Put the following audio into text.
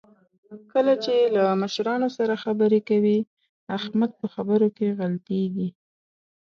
کله چې له مشرانو سره خبرې کوي، احمد په خبرو کې غلطېږي.